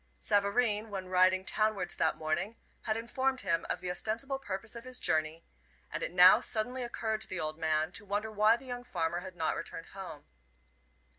Savareen, when riding townwards that morning, had informed him of the ostensible purpose of his journey, and it now suddenly occurred to the old man to wonder why the young farmer had not returned home.